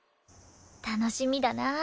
楽しみだなあ